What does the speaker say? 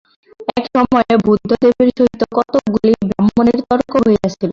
এক সময়ে বুদ্ধদেবের সহিত কতকগুলি ব্রাহ্মণের তর্ক হইয়াছিল।